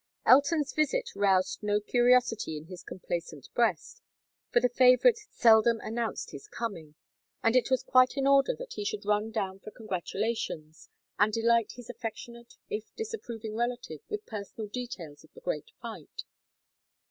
Elton's visit roused no curiosity in his complacent breast, for the favorite seldom announced his coming, and it was quite in order that he should run down for congratulations, and delight his affectionate if disapproving relative with personal details of the great fight.